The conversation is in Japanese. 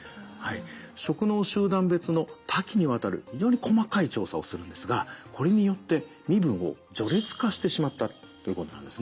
職能集団別の多岐にわたる非常に細かい調査をするんですがこれによって身分を序列化してしまったということになるんですね。